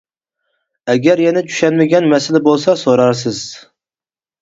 ئەگەر يەنە چۈشەنمىگەن مەسىلە بولسا سورارسىز.